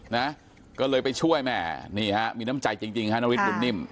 นะก็เลยไปช่วยแม่นี่ฮะมีน้ำใจจริงจริงฮะนาริสบุญนิ่ม